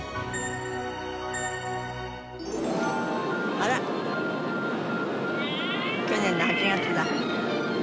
「あらっ」「去年の８月だ」